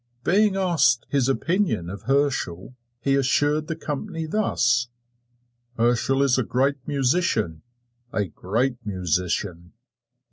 Being asked his opinion of Herschel he assured the company thus: "Herschel is a great musician a great musician!"